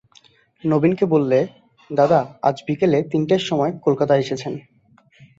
নবীনকে বললে, দাদা আজ বিকেলে তিনটের সময় কলকাতায় এসেছেন।